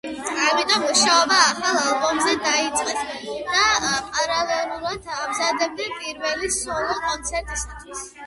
ამიტომ მუშაობა ახალ ალბომზე დაიწყეს და პარალელურად ემზადებოდნენ პირველი სოლო კონცერტისათვის.